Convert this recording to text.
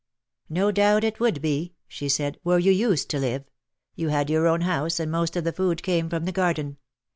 "No doubt it would be," she said, "where you used to live. You had your own house, and most of the food came from the garden.